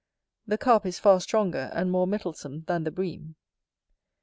The Carp is far stronger and more mettlesome than the Bream.